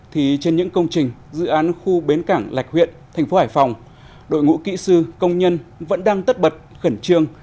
thì trên những công trình dự án khu bến cảng lạch huyện thành phố hải phòng đội ngũ kỹ sư công nhân vẫn đang tất bật khẩn trương